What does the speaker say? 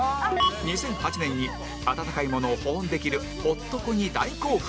２００８年に温かいものを保温できるホット庫に大興奮